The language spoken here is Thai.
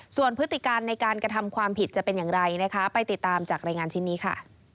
ส่วนพฤติการในการกระทำความผิดจะเป็นอย่างไรนะคะไปติดตามจากรายงานชิ้นนี้ค่ะ